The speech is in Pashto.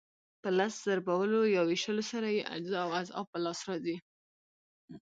په لس ضربولو یا وېشلو سره یې اجزا او اضعاف په لاس راځي.